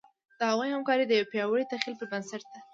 د هغوی همکاري د یوه پیاوړي تخیل پر بنسټ ده.